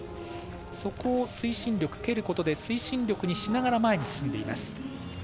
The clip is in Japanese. そこを蹴ることで推進力にしながら前に進んでいます。